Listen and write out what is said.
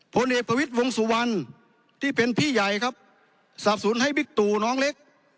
ผลเอกประวิทย์วงสุวรรณที่เป็นพี่ใหญ่ครับสับสนให้บิ๊กตู่น้องเล็ก